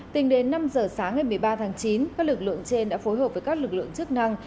tính đến năm giờ sáng ngày một mươi ba tháng chín các lực lượng trên đã phối hợp với các lực lượng chức năng